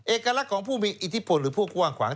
เอกลักษณ์ของผู้มีอิทธิพลหรือผู้กว้างขวาง